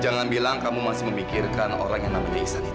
jangan bilang kamu masih memikirkan orang yang nama desa itu